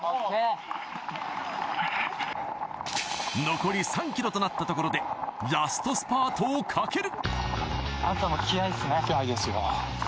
残り３キロとなったところでラストスパートをかける。